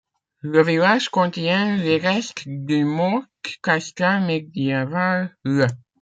Le village contient les restes d'une motte castrale médiévale, le.